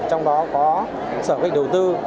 trong đó có sở bệnh đầu tư